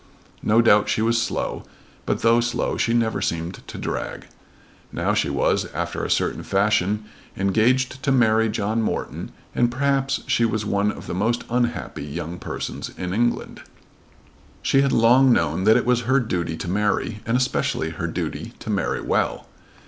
No doubt she was slow, but though slow she never seemed to drag. Now she was, after a certain fashion, engaged to marry John Morton and perhaps she was one of the most unhappy young persons in England. She had long known that it was her duty to marry, and especially her duty to marry well.